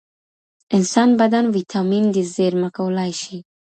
انسان بدن ویټامن ډي زېرمه کولای شي.